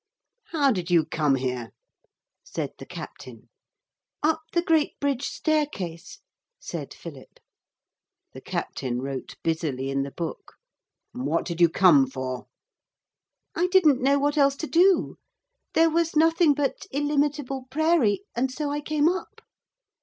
'How did you come here?' said the captain. 'Up the great bridge staircase,' said Philip. The captain wrote busily in the book. 'What did you come for?' 'I didn't know what else to do. There was nothing but illimitable prairie and so I came up.'